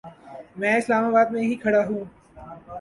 میں اسلام آباد ہی میں کھڑا ہوں